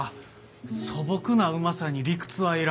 素朴なうまさに理屈はいらん。